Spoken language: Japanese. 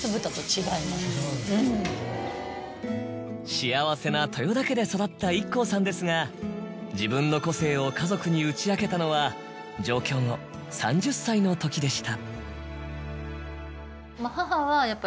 幸せな豊田家で育ったＩＫＫＯさんですが自分の個性を家族に打ち明けたのは上京後３０歳のときでした。